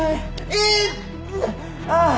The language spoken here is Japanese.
ああ！